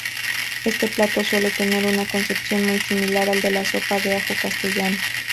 Este plato suele tener una concepción muy similar al de sopa de ajo castellana.